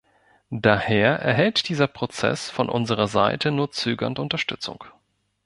Daher erhält dieser Prozess von unserer Seite nur zögernd Unterstützung.